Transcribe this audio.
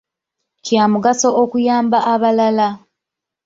Kya mugaso okuyamba abalala.